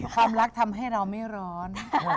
ความรักทำให้เราไม่ร้อน